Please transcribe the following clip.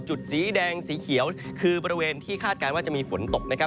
สีแดงสีเขียวคือบริเวณที่คาดการณ์ว่าจะมีฝนตก